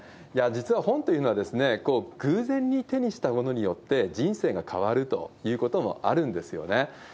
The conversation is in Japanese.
いや、実は本というのは、偶然に手にしたものによって、人生が変わるということもあるんですよね。